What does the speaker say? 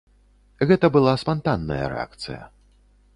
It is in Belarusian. Гэта была спантанная рэакцыя.